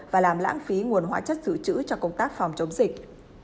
và làm lãng phí nguồn hóa chất giữ chữ cho công tác phòng chống dịch